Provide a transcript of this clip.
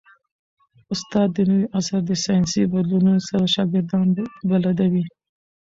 استاد د نوي عصر د ساینسي بدلونونو سره شاګردان بلدوي.